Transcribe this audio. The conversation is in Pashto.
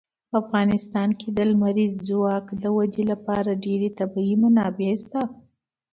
په افغانستان کې د لمریز ځواک د ودې لپاره ډېرې طبیعي منابع شته دي.